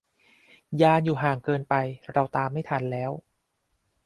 ยานอยู่ห่างเกินไป เราตามไม่ทันแล้ว